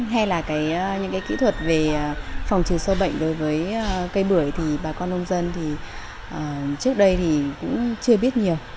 hay là những kỹ thuật về phòng trừ sôi bệnh đối với cây bưởi thì bà con nông dân trước đây cũng chưa biết nhiều